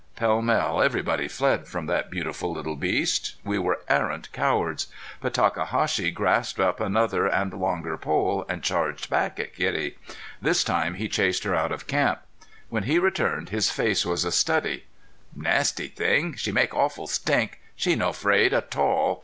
Pell mell everybody fled from that beautiful little beast. We were arrant cowards. But Takahashi grasped up another and longer pole, and charged back at kitty. This time he chased her out of camp. When he returned his face was a study: "Nashty thing! She make awful stink! She no 'fraid a tall.